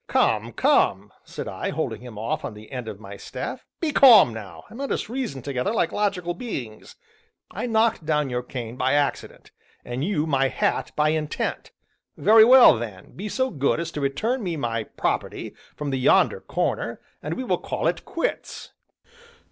"Come, come," said I, holding him off on the end of my staff, "be calm now, and let us reason together like logical beings. I knocked down your cane by accident, and you, my hat by intent; very well then, be so good as to return me my property, from the corner yonder, and we will call 'quits.'"